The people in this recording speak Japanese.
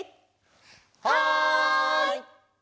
はい！